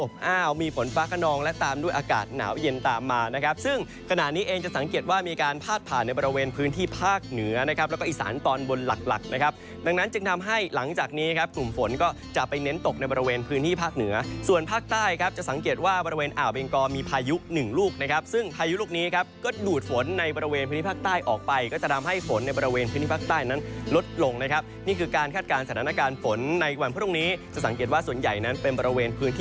บนหลักนะครับดังนั้นจึงทำให้หลังจากนี้ครับกลุ่มฝนก็จะไปเน้นตกในบริเวณพื้นที่ภาคเหนือส่วนภาคใต้ครับจะสังเกตว่าบริเวณอ่าวเบงกอมีพายุหนึ่งลูกนะครับซึ่งพายุลูกนี้ครับก็ดูดฝนในบริเวณพื้นที่ภาคใต้ออกไปก็จะทำให้ฝนในบริเวณพื้นที่ภาคใต้นั้นลดลงนะครับนี่คื